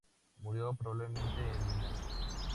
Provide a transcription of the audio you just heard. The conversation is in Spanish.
Murió probablemente en Milán.